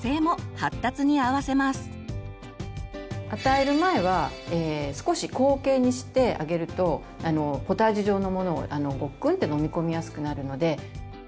与える前は少し後傾にしてあげるとポタージュ状のものをごっくんって飲み込みやすくなるので。